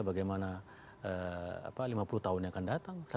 bagaimana lima puluh tahun yang akan datang